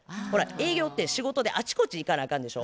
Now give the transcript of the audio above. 営業って仕事であちこち行かなあかんでしょ。